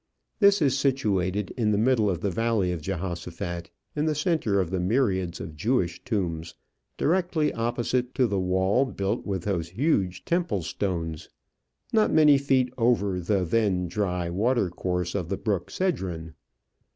This is situated in the middle of the valley of Jehoshaphat, in the centre of myriads of Jewish tombs, directly opposite to the wall built with those huge temple stones, not many feet over the then dry water course of the brook Cedron.